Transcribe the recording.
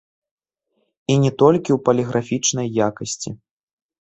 І не толькі ў паліграфічнай якасці.